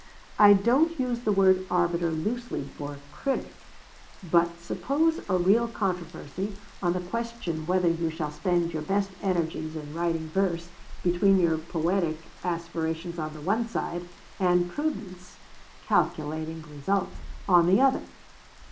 I don't use the word 'arbiter' loosely for 'critic'; but suppose a real controversy, on the question whether you shall spend your best energies in writing verse, between your poetic aspirations on the one side, and prudence (calculating results) on the other.